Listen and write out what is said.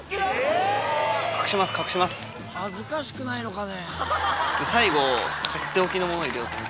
恥ずかしくないのかね。